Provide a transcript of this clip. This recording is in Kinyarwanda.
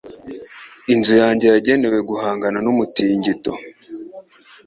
Inzu yanjye yagenewe guhangana n'umutingito.